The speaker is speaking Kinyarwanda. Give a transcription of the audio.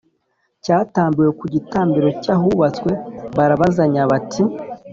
Cyatambiwe ku gicaniro cyahubatswe barabazanya bati